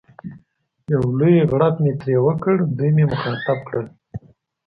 یو لوی غړپ مې ترې وکړ، دوی مې مخاطب کړل.